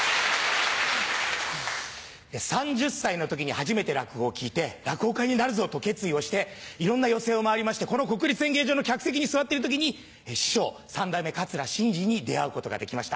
３０歳の時に初めて落語を聞いて落語家になるぞと決意をしていろんな寄席を回りましてこの国立演芸場の客席に座ってる時に師匠三代目桂伸治に出会うことができました。